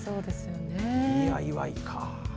ＤＩＹか。